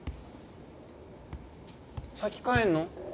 先帰んの？